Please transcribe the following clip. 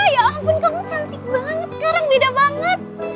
ya ampun kamu cantik banget sekarang beda banget